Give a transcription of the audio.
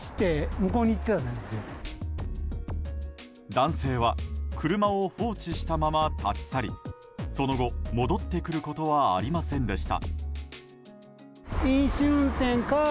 男性は車を放置したまま立ち去りその後、戻ってくることはありませんでした。